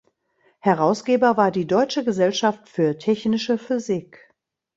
Herausgeber war die Deutsche Gesellschaft für Technische Physik.